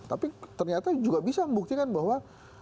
tapi ternyata juga bisa membuktikan bahwa